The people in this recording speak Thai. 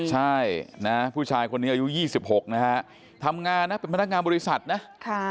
ใช่นะผู้ชายคนนี้อายุ๒๖นะฮะทำงานนะเป็นพนักงานบริษัทนะ